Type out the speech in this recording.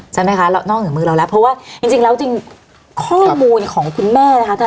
ใช่ไหมคะนอกเหนือมือเราแล้วเพราะว่าจริงแล้วจริงข้อมูลของคุณแม่นะคะ